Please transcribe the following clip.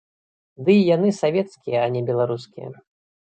Дый яны савецкія, а не беларускія.